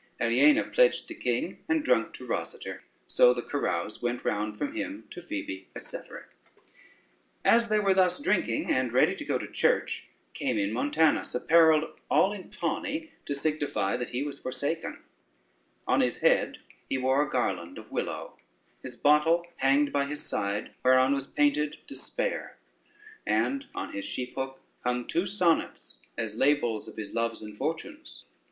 Aliena pledged the king, and drunk to Rosader; so the carouse went round from him to Phoebe, &c. As they were thus drinking and ready to go to church, came in Montanus, apparelled all in tawny, to signify that he was forsaken; on his head he wore a garland of willow, his bottle hanged by his side, whereon was painted despair, and on his sheep hook hung two sonnets, as labels of his loves and fortunes.